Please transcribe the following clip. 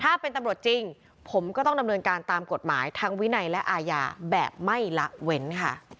ถ้าเป็นตำรวจจริงผมก็ต้องดำเนินการตามกฎหมายทั้งวินัยและอาญาแบบไม่ละเว้นค่ะ